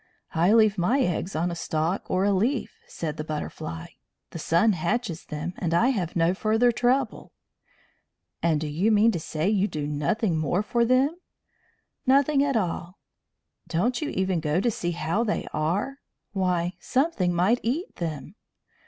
"I leave my eggs on a stalk or a leaf," said the Butterfly. "The sun hatches them, and I have no further trouble." "And do you mean to say you do nothing more for them?" "Nothing at all." "Don't you even go to see how they are? Why, something might eat them!"